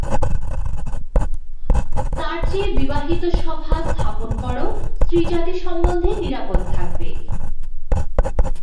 তার চেয়ে বিবাহিত-সভা স্থাপন করো, স্ত্রীজাতি সম্বন্ধে নিরাপদ থাকবে।